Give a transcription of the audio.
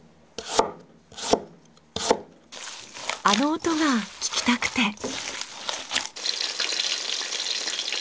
あの音が聞きたくて。